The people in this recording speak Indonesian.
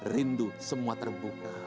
rindu semua terbuka